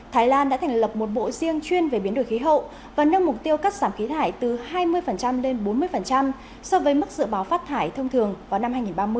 thái lan đã thành lập một bộ riêng chuyên về biến đổi khí hậu và nâng mục tiêu cắt giảm khí thải từ hai mươi lên bốn mươi so với mức dự báo phát thải thông thường vào năm hai nghìn ba mươi